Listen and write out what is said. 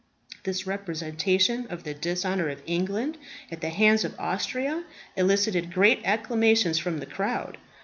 This representation of the dishonour of England at the hands of Austria elicited great acclamations from the crowd.